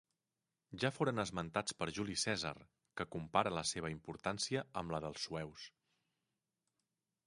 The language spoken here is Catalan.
Ja foren esmentats per Juli Cèsar, que compara la seva importància amb la dels sueus.